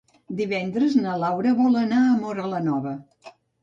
Divendres na Laura vol anar a Móra la Nova.